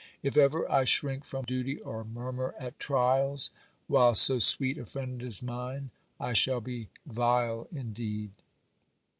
If ever I shrink from duty or murmur at trials, while so sweet a friend is mine, I shall be vile indeed.